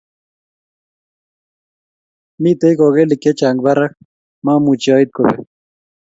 Mitei kokelik che chang barak , mamuchi oit kobek